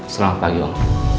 selamat pagi bang